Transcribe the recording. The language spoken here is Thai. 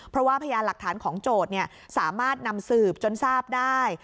เพราะว่าพยานหลักฐานของโจทย์สามารถนำสืบจนทราบได้